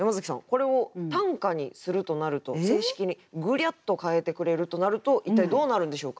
これを短歌にするとなると正式にグリャッと変えてくれるとなると一体どうなるんでしょうか？